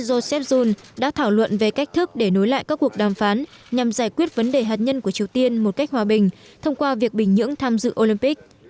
đồng cấp mỹ joseph jun đã thảo luận về cách thức để nối lại các cuộc đàm phán nhằm giải quyết vấn đề hạt nhân của triều tiên một cách hòa bình thông qua việc bình nhưỡng tham dự olympic